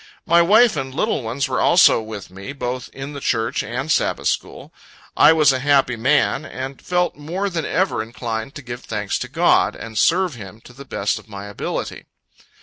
My wife and little ones were also with me, both in the church and Sabbath school. I was a happy man, and felt more than ever inclined to give thanks to God, and serve Him to the best of my ability.